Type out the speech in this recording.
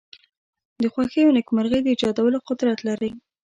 د خوښۍ او نېکمرغی د ایجادولو قدرت لری.